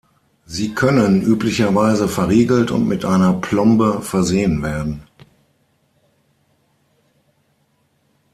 Sie können üblicherweise verriegelt und mit einer Plombe versehen werden.